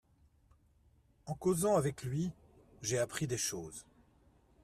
En causant avec lui, j’ai appris des choses…